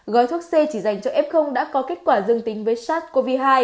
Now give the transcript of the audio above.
gói thuốc c chỉ dành cho f đã có kết quả dương tính với sars cov hai